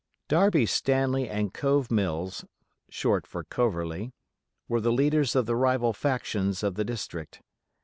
Darby Stanley and Cove Mills (short for Coverley) were the leaders of the rival factions of the district.